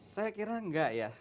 saya kira enggak ya